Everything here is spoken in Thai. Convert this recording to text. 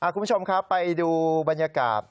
คุณผู้ชมครับไปดูบรรยากาศ